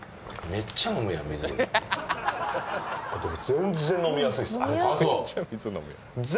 全然飲みやすいっすね。